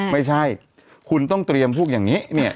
ไม่ใช่คุณต้องเตรียมพวกอย่างนี้เนี่ย